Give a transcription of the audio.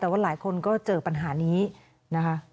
แต่ว่าหลายคนก็เจอปัญหานี้นะคะ